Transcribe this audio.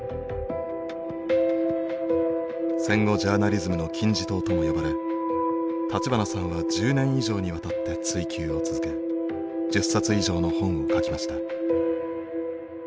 戦後ジャーナリズムの金字塔とも呼ばれ立花さんは１０年以上にわたって追究を続け１０冊以上の本を書きました。